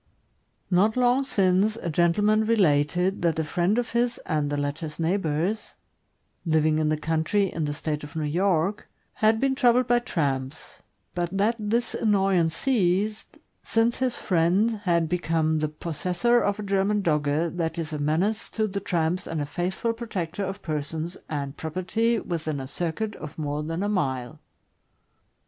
Not long since, a gentleman related that a friend of his and the latter' s neighbors, living in the country in the State of New York, had been troubled by tramps, but that this annoyance ceased since his friend had become the possessor of a German Dogge that is a menace to the tramps and a faithful protector of persons and property within a circuit of more than a mile.